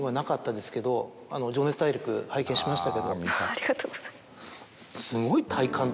ありがとうございます。